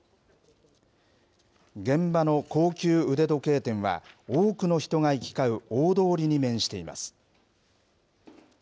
現場の高級腕時計店は、多くの人が行き交う大通りに面しています。